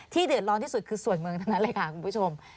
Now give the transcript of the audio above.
เดือดร้อนที่สุดคือส่วนเมืองทั้งนั้นเลยค่ะคุณผู้ชม